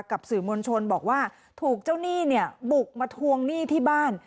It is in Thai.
กับสื่อมวลชนบอกว่าถูกเจ้าหนี้เนี่ยบุกมาทวงหนี้ที่บ้าน